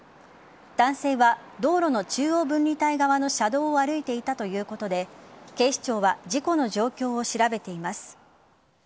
男性は道路の中央分離帯側の車道を歩いていたということで警視庁は事故の状況を調べています。